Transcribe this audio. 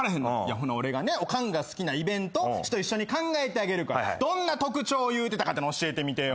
ほな俺がねオカンが好きなイベント一緒に考えてあげるからどんな特徴言うてたかって教えてみてよ。